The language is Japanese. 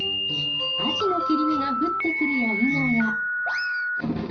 アジの切り身が降ってくるやいなや。